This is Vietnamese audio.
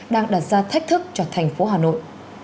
đang đặt ra thách thức cho thành phố hà nội